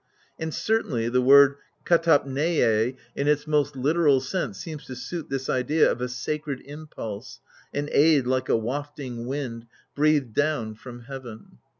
And certainly the word KaTairviUi in its most literal sense, seems to suit this idea of a sacred impulse, an aid like a wafting wind, breathed down from heaven.